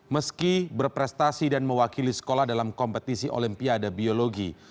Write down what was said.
meski berprestasi dan mewakili sekolah dalam kompetisi olimpiade biologi